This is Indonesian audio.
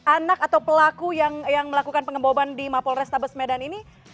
anak atau pelaku yang melakukan pengeboman di mapol restabes medan ini